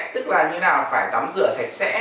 tức là như thế nào phải tắm rửa sạch sẽ